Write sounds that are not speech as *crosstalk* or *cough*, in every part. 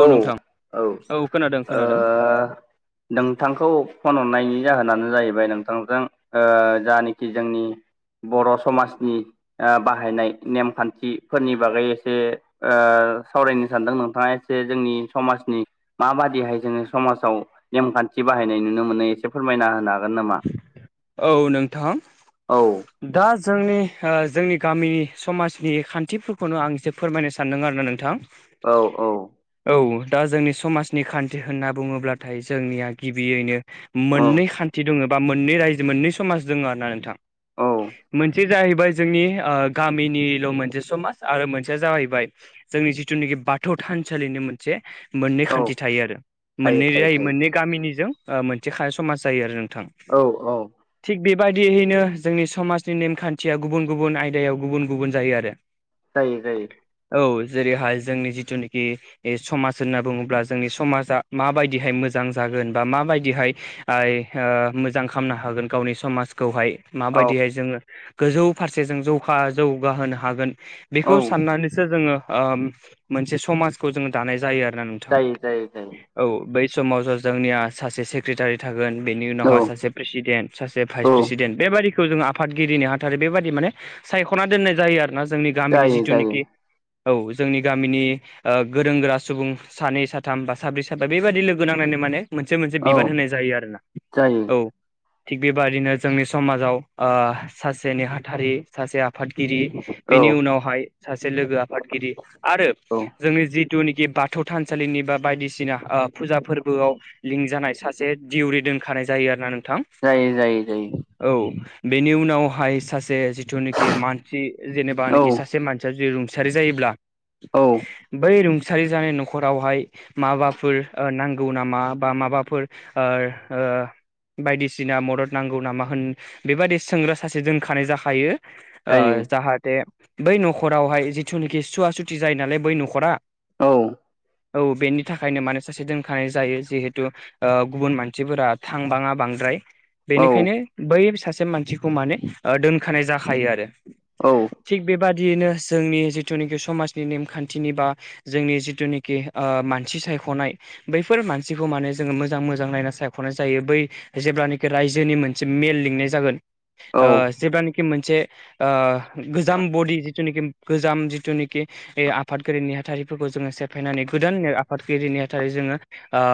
औ नोंथां औ खोनादों खोनादों ओ नोंथांखौ फन हरनायनि जाहोनानो जाहैबाय नोंथांजों जानखि जोंनि बर' समाजनि बाहायनाय नेमखान्थिफोरनि बागै एसे ओ सावरायनो सानदों नोंथांङा एसे जोंनि समाजनि माबादिहाय जोंङो समाजाव नेमखान्थि बाहायनाय नुनो मोनो एसे फोरमायना होनगोन औ नोंथां औ दा जोंनि जोंनि गामिनि समाजनि खान्थिफोरखौनो आं एसे फोरमायनो सान सानदों आरोना नोंथां औ औ औ दा जोंनि समाजनि खान्थि होनना बुंङोब्लाथाय जोंनिया गिबियैनो औ मोननै खान्थि दंङो बा मोननै रजो मोननै समाज दंङो होनना नोंथां औ मोनसे जाहैबाय जोंनि गामिनिल'ओ मोनसे समाज आरो मोनसेया जाहैबाय जोंनि जिथुनाखि बाथौ थानसालिनि मोनसे मोननै औ खान्थि थायो आरो थायो मोननै ज थायो थायो मोननै गामिनिजों मोनसे समाज जायो आरो नोंथां औ औ थिग बेबायदियैनो जोंनि समाजनि नेमखान्थिया गुबुन गुबुन आयदायाव गुबुन गुबुन जायो आरो जायो जायो औ जेरैहाय जोंनि जिथुनाखि समाज होनना बुंङोब्ला जोंनि समाजा माबायदिहाय मोजां जागोन बा माबायदिहाय मोजां खालामनो हागोन गावनि समाजखौहाय औ माबायदिहाय जोंङो गोजौ फारसे जों जौखा जौगाहोनो हागोन औ बेखौ साननानैसो जोंङो मोनसे समाजखौ जोंङो दानाय जायो आरोना नोंथां जायो जायो जायो औ बै समाज जोंनिया सासे सेक्रेटारि थागोन बेनि उनावहाय औ सासे प्रेसिडेन्ट सासे भाइस औ प्रेसिडेन्ट बेबाददिखौ जोङो आफादगिरिनि हाथारै बेबायादि माने सायख'ना दोननाय जायो आरो ना जोंनि गामिनि जायो जायो जिथुनिखि औ जोंनि गामिनि। ओ गोरों गोरा सुबुं सानै साथाम बा साब्रै साब्रा बेबायदि लोगो नांनानै माने मोनसे मोनसे औ बिबान होनाय जायो आरो ना। जायो। *unintelligible* थिग बेबादिनो जोंनि समाजाव सासे नेहाथारि सासे आफादगिरि औ बिनि उनावहाय सासे लोगो आफादगिरि आरो औ जोंनि जिथुनिखि बाथौ थानसालिनि बा बायदिसिना फुजा फोरबोआव लिंक जानाय सासे दिउरि दोनखानाय जायो आरो ना नोंथां। जायो जायो जायो। औ बेनि उनावहाय सासे जिथुनाखि मानसि औ जेनेबानखि सासे मानसि दा जुदि रुंसारि जायोब्ला। औ। बै रुंसारि जानाय न'खरावहाय माबाफोर ओ नांगौ नामा बा माबाफोर ओ ओ बायदिसिना मदद नांगौ नामा होन बेबादि सोंग्रा सासे दोनखानाय जाखायो। ओ जायो जाहाथे बै न'खरावहाय जिथुनिखि सुवा सुथि जायो नालाय बै न'खरा औ। औ बेनि थाखायनो माने सासे दोनखानाय जायो। जिहेथु ओ गुबुन मान सिफोरा थांबाङा बांद्राय। औ बेनिखायनो बै सासे मानसिखौ माने ओ दोनखानाय जाखायो आरो। औ थिग बेबादियैनो जोंनि जिथुनिखि समाजनि नेमखान्थिनि बा जोंनि जिथुनिखि ओ मानसि सायख'नाय बैफोर मानसिखौ माने जोङो मोजां मोजां नायना सायख' ख'नाय जायो बै जेब्लानोखि रायजोनि मोनसे मेल लिंनाय जागोन। औ ओ जेब्लानोखि मोनसे गोजाम बडि जिथुनिखि गोजाम जिथुनिखि आफादगिरि ने हाथारिफोरखौ जोंङो सेफायनानै गोदान आफादगिरि नेहाथारि जोंङो आ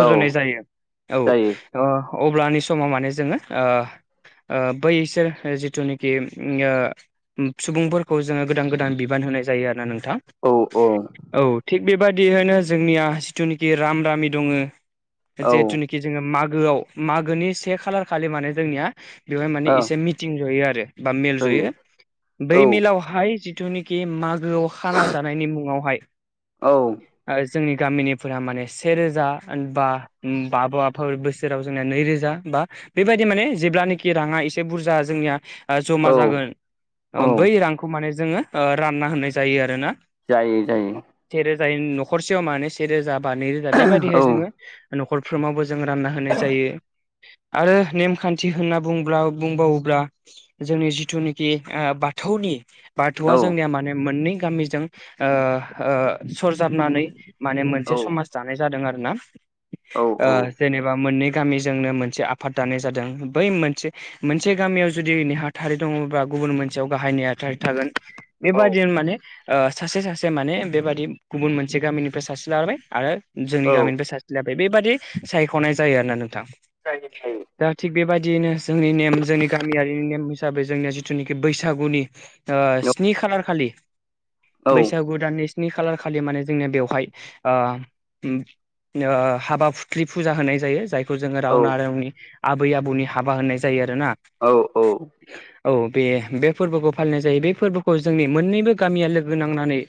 औ जायो। जायो औ अ अब्लानि समाव माने जोङो ओ ओ बैसोर जिथुनिखि उम ओ सुबुंफोरखौ जोङो गोदान गोदान बिबान होनाय जायो आरो ना नोंथां। अ। औ थिग बेबादिहोनो जोंनिया जिथुनिखि राम रामि दङो औ जे मागोआव मागोनि से खालार खालि माने जोंनिया बेवहाय माने औ इसे मिटिं जयो आरो। बा मेल जायो जयो। औ बै मेलाव हाय जिथुनिखि मागोआव खाना जानायनि मुङावहाय औ। आरो जोंनि गामिनिफोरा माने सेेरोजा बा उम बाब'वाफोर बोसोराव जोंनिया नैरोजा बा बेबायदि माने जेब्लानोखि राङा एसे बुरजा जोंनिया ओ औ जमा जागोन ओ बै रांखौ माने जोङो ओ रानना होनाय जायो आरोना। जायो जायो। सेेरोजाय न'खरसेयाव मानो सेेरोजा बा नै रोजा औ बेबादिहाय जोङो न' खर फ्रोमावबो जोङो रानना होनाय जायो। आरो नेमखान्थि होनना बुंब्ला बुंबावोब्ला जोंनि जिथुनिखि ओ बाथौनि औ बाथौआ जोंनिया माने मोननै गामिजों ओ ओ सरजाबनानै माने मोनसे समाज दानाय जादों आरो ना। औ ओ औ जेनेबा मोननै गामिजोंनो मोनसे आफाद दानाय जादों। बै मोनसे मोनसे गामियाव जुदि नेहाथारि दङबा गुबुन मोनसेयाव गाहाइ नेहा थारि थागोन औ बेबादिनो माने ओ सासे सासे माने बेबादि गुबुन मोनसे गामिनिफ्राय सासे लाबाय आरो जोंनि औ जायो औ गामिनिफ्राय सा से लाबाय बेबादि सायख'नाय जायो आरोना नोंथां। जायो जायो। दा थिग बेबादियैनो जोंनि नेम जोंनि गामियारिनि नेम हिसाबै जोंनिया जिथुनिखि बैसागुनि ओ औ स्नि खालार खालि औ बैसागु दाननि स्नि‌ खालार खालि माने जोंनिया बेवहाय ओ उम ओ हाबा फुथ्लि फुजा होनाय जायो जायखौ जोङो औ रावना रावनि आबै आबौनि हाबा होननाय जायो आरोना। औ औ औ बे बे फोरबोखौ फालिनाय जायो बे फोरबोखौ जोंनि मोननैबो गामिया लोगो नांनानै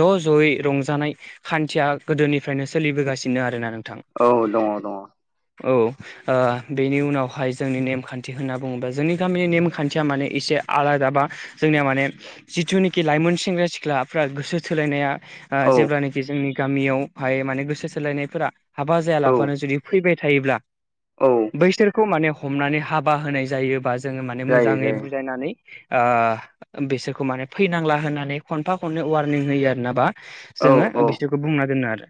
ज' ज'यै रंजानाय खान्थिया गोदोनिफ्रायनो सोलिबोगासिनो आरोना नोंथां। औ दङ दङ औ ओ बेनि उनावहाय जोंनि नेमखान्थि होनना बुङोबा जोंनि गामिनि नेमखान्थिया माने एसे आलादा बा जोंनिया माने जिथुनोखि लाइमोन सेंग्रा सिख्लाफ्रा गोसो थोलायनाया ओ जेब्लानोखि जोंनि गामियाव हाय माने गोसो थोलायनायफोरा हाबा जाया लाफानो जुदि फैबाय थायोब्ला औ बैसोरखौ माने हमनानै हाबा होनाय जायोबा जोङो माने जायो मोजाङै जायो बुजायनानै ओ बिसोरखौ माने फैनांला होनानै खनफा खननै वारनिं होयो आरोना बा औ जोङो औ बिसोरखौ बुंना दोनो आरो।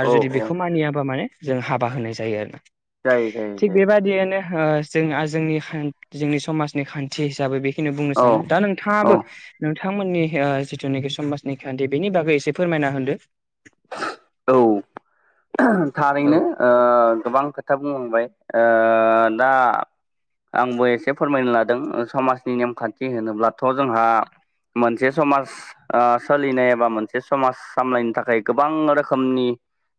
आरो औ जुदि औ बेखौ मानियाबा माने जों हाबा होनाय जायो आरो जायो जायो थिग जायो बेबादियैनो ओ जोंहा जोंनि खान जोंनि समाजनि खान्थि हिसाबै बेखोनि बुंनो औ सानो दा औ नोंथाङाबो नोंथांमोननि ओ जिथुनाखि समाजनि खान्थि बेनि बागै एसे फोरमायना होदो। औ औ थारैनो ओ गोबां खोथा बुंलांबाय ओ दा आंबो एसे फोरमायनो लादों समाजनि नेमखान्थि होनोब्लाथ' जोंहा मोनसे समाज ओ सोलिनाय एबा मोनसे समाज सामलायनो थाखाय गोबां रोखोमनि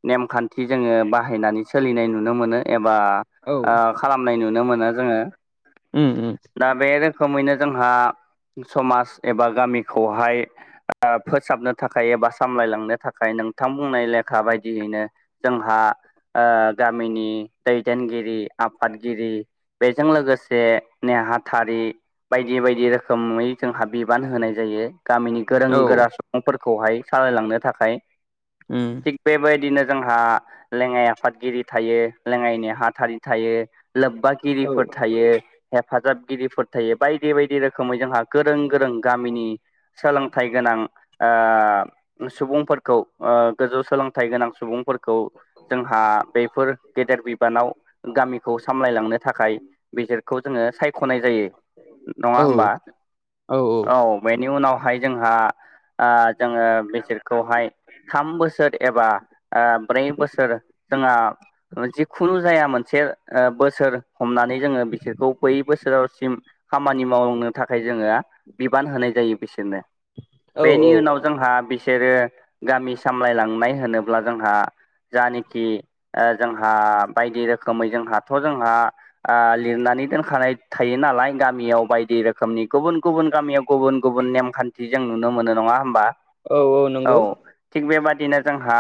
नेमखान्थि जोङो बाहायनानै सोलिनाय नुनो मोनो एबा ओ औ खालामनाय नुनो मोनो जोङो। उम उम दा बे रोखोमैनो जोंहा समाज एबा गामिखौहाय बा फोसाबनो थाखाय एबा सामलायलांनो थाखाय नोंथां बुंनाय लेखा बाय दियैनो जोंहा ओ गामिनि दैदेनगिरि आफादगिरि बेजों लोगोसे नेहाथारि बायदि बायदि रोखोमै जोंहा बिबान होनाय जायो गामिनि गोरों औ गोरा सुबुंफोरखौहाय सालायलांनो थाखाय उम थिग बेबायदिनो जोंहा लेङाइ आफादगिरि थायो लेङाइ नेहाथारि थायो औ लोबबागिरिफोर थायो। हेफाजाबगिरिफोर थायो बायदि बायदि रोखोमै जोंहा गोरों गोरों गामिनि सोलोंथाइ गोनां ओ सुबुंफोरखौ ओ गोजौ सोलों थाइ गोनां सुबुंफोर खौ जोंहा बेफोर गेदेर बिबानाव गामिखौ सामलायलांनो थाखाय बिसोरखौ जोङो सायखनाय जायो नङा औ होमबा? औ बेनि उनावहाय जोंहा ओ जोङो बिसोरखौहाय थाम बोसोर एबा ओ ब्रै बोसोर जोङा जिखुनु जाया मोनसे ओ बोसोर हमनानै जोङो बिसोरखौ बै बोसोराव सिम खामानि मावलांनो थाखाय जोङो बिबान होनाय जायो बिसोरनो औ बेनि औ उनाव जोंहा बिसोरो गामि सामलायलांनाय होनोब्ला जोंहा जानाखि ओ जोंहा बायदि रोखोमै जोंहाथ जोंहा आ लिरनानै दोनखानाय थायो नालाय गामियाव बायदि रोखोमनि गुबुन गुबुन गामियाव गुबुन गुबुन नेमखान्थि जों नुनो मोनो नङा होमबा औ औ नंगौ थिग बेबादिनो जोंहा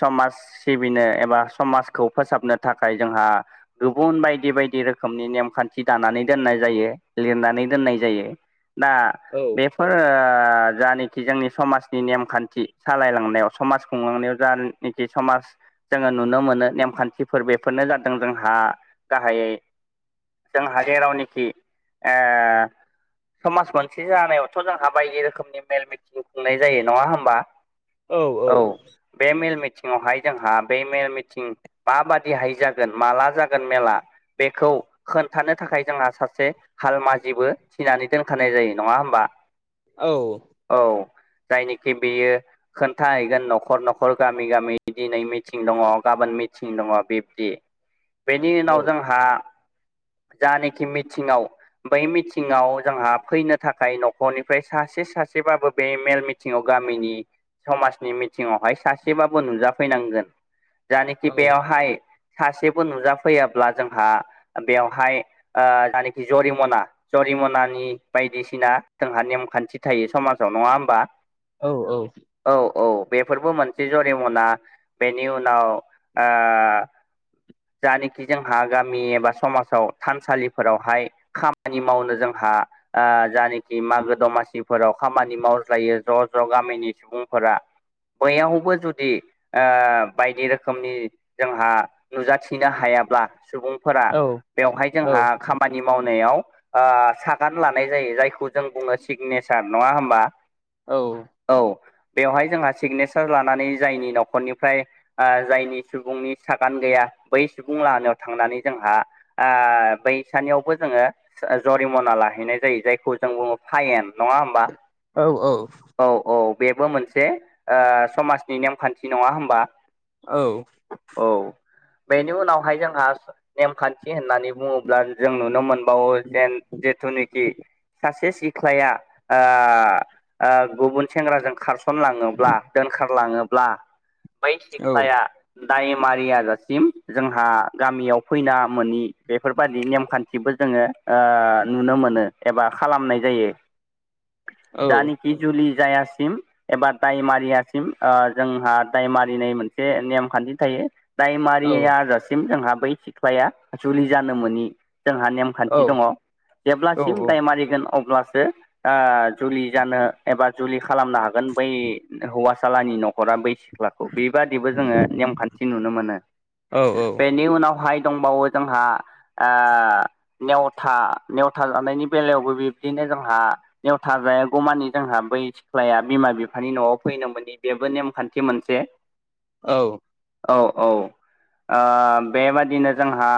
समाज सिबिनो एबा समाजखौ फोसाबनो थाखाय जोंहा गुबुन बायदि बायदि रोखोमनि नेमखान्थि दानानै दोननाय जायो लिरनानै दोननाय जायो दा औ बेफोर जानेखि जोंनि समाजनि नेमखान्थि सालायलांनायाव समाज खुंलांनायाव जानेखि समाज जोङो नुनो मोनो नेमखान्थिफोर बेफोरनो जादों जोंहा गाहायै जोंहा जेरावनाखि ओ समाज मोनसे जानायावथ' जोंहा बायदि रोखोमनि मेल मिथिं खुंनाय जायो नङा होमबा औ बे मेल मिटिंआवहाय जोंहा बे मेल मिटिं माबादिहाय जागोन माला जागोन मेला बेखौ खोन्थानो थाखाय जोंहा सासे हाल माजिबो थिनानै दोनखानाय जायो नङा होमबा औ औ जायनिखि बेयो खोनथाय न'खर न'खर गामि गामि दिनै मिथिं दङ गाबोन मिथिं दङ बिब्दि बेनि औ उनाव जोंहा जानाखि मिथिङाव बै मिथिङाव जोंहा फैनो थाखाय न'खरनिफ्राय सासे सासेबाबो बे मेल मि थिङाव गामिनि समाज नि मिथिङावहाय सासेबाबो नुजाफैनांगोन जानखि औ बेयावहाय सासेबो नुजाफैयाब्ला जोंहा बेवहाय ओ जानाखि जरिमना जरिमनानि बायदिसिना जोंहा नेमखान्थि थायो समाजाव नङा होमबा औ औ औ औ बेफोरबो मोनसे जरिमाना बेनि उनाव ओ जानोखि जोंहा गामि एबा समाजाव थानसालिफोरावहाय खामानि मावनो जोंहा ओ जानोखि मागो दमासिफोराव खामानि मावज्लायो ज' ज' गामिनि सुबुं फोरा बैयावबो जुदि ओ बायदि रोखोमनि जोंहा नुजाथिनो हायाब्ला सुबुं फोरा औ बेवहाय औ जोंहा खामानि मावनायाव ओ सागान लानाय जायो जायखौ जों बुङो सिगनेसार नङा होमबा औ औ बेवहाय जोंहा सिगनेसार लानानै जायनि न'खरनिफ्राय ओ जायनि सुबुंनि सागान गैया बै सुबुं लाहानायाव थांनानै जोंहा ओ, बैसानियावबो जोङो जा जरिमना लाहैनाय जायो जायखौ जों बुङो फायेन नङा होमबा औ औ औ औ बेबो मोनसे ओ समाजनि नेमखान्थि नङा होमबा औ औ बेनि उनावहाय जोंहा नेमखान्थि होननानै बुङोब्ला जों नुनो मोन बावो जेन जेथुनाखि सासे ख्लाया ओ ओ गुबुन सेंग्राजों खारसनलाङोब्ला दोनखारलाङो ब्ला बै औ सिख्लाया दायमारि आजासिम जोंहा गामियाव फैना मोनि बेफोरबायाददि नेमखान गासिबो जोंङो नुनो मोनो एबा खालामनाय जायो दानि जुलि जायासिम एबा ओ दाय मारियासिम जोंहा दाय मारिनाय मोनसे नेमखान्थि थायो। दायमारि मारियासिम बै जोंहा बै सिख्लाया जुलि जानो मोननि जोंहा नेम खान्थि दंङो जेब्लासिम दाय मारिगोन अब्लासो जुलि जानो एबा जुलि खालामनो हागोन बै हौवासालानि न'खरा बैयो सिख्लाखौ बेबादिबो जोंङो नेमखान्थि नुनो मोनो बेनि उनावहाय दंबावो जोंहा ओ नेवथा नेवथा जानायनि बेलायावबो बिब्दिनो जोंहायो बेयाव थाजायागौमानि जोंहा बै सिख्लाया बिमा-बिफा बिमा-बिफानि न'आव फैनो मोननि बेबो नेमखान्थि मोनसो औ। औ ओ बेबादिनो जोंहा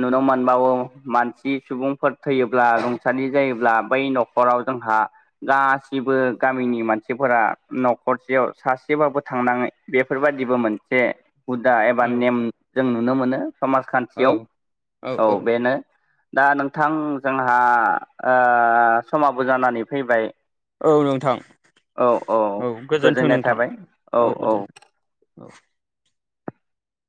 नुनो मोनबाबो मानसि सुबुंफोर थैयोब्ला रुंसारि जायोब्ला बै न'खराव जोंहायो गासिबो गामिनि मानसिफोरानो न'खरसेयाव सासेबाबो थांनाङै बेफोरबादिबो मोनसे हुदा एबा नेम जों नुनो मोनो समाजखान्थियाव औ बेनो दा नोंथां जोंहा समाबो जानानै फैबाय। औ नोंथां औ गोजोन्थों गोजोननाय नोंथां थाबाय औ गोजोन्थों औ।